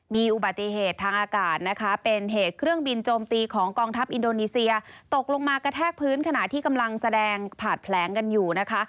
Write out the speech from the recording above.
มีอุบัติเหตุทางอากาศนะคะเป็นเหตุเครื่องบินโจมตีของกองทัพอินโดนีเซียตกลงมากระแทกพื้นขณะที่กำลังแสดงผ่านแผลงกันอยู่นะคะ